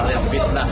masyarakat lebih tahu